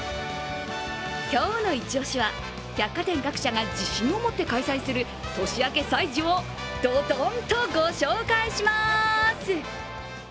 今日のイチ押しは百貨店各社が自信を持って開催する年明け催事をドドンとご紹介しまーす！